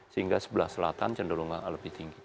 sehingga sebelah selatan cenderung lebih tinggi